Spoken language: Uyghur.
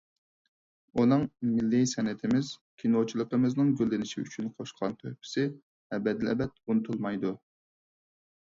ئۇنىڭ مىللىي سەنئىتىمىز، كىنوچىلىقىمىزنىڭ گۈللىنىشى ئۈچۈن قوشقان تۆھپىسى ئەبەدىلئەبەد ئۇنتۇلمايدۇ.